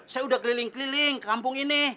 saya sudah keliling keliling kampung ini